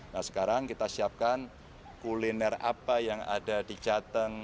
nah sekarang kita siapkan kuliner apa yang ada di jateng